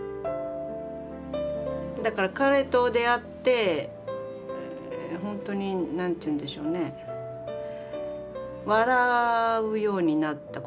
だから彼と出会って本当に何て言うんでしょうね笑うようになった。